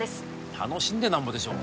楽しんでなんぼでしょう